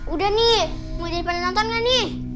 udah nih mau jadi pada nonton gak nih